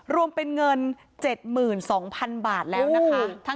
รวมเป็นเงิน๗๒๐๐๐บาทแล้วนะคะ